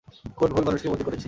কোন ভুল মানুষকে বন্দি করেছি?